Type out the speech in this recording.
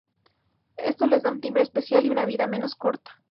Esto les da un timbre especial y una vida menos corta.